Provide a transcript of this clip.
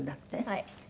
はい。